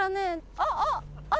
あっあっ。